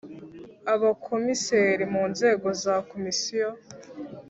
abakomiseri mu nzego za Komisiyo